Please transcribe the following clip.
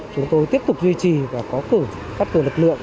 chúng tôi tiếp tục duy trì và có cử các cử lực lượng